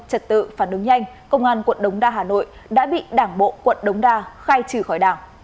trật tự phản ứng nhanh công an quận đống đa hà nội đã bị đảng bộ quận đống đa khai trừ khỏi đảng